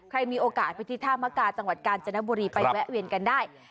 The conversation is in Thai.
ใครมีโอกาสไปที่ท่ามกาจังหวัดกาญจนบุรีไปแวะเวียนกันได้